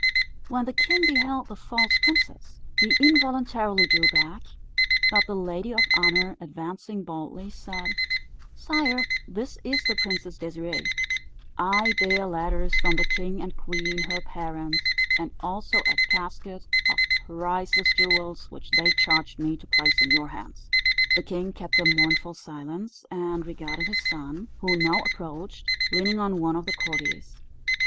When the king beheld the false princess, he involuntarily drew back; but the lady of honour advancing boldly, said: "Sire, this is the Princess Désirée; I bear letters from the king and queen her parents, and also a casket of priceless jewels, which they charged me to place in your hands." The king kept a mournful silence, and regarded his son, who now approached, leaning on one of the courtiers.